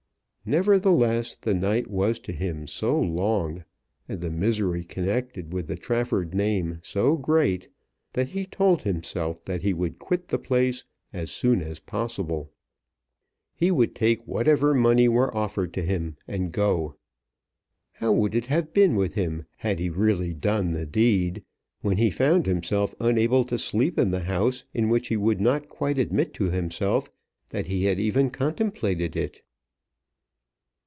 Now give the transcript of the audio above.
Nevertheless the night was to him so long, and the misery connected with the Trafford name so great, that he told himself that he would quit the place as soon as possible. He would take whatever money were offered to him and go. How would it have been with him had he really done the deed, when he found himself unable to sleep in the house in which he would not quite admit to himself that he had even contemplated it?